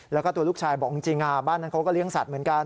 แล้วก็ตัวลูกชายบอกจริงบ้านนั้นเขาก็เลี้ยงสัตว์เหมือนกัน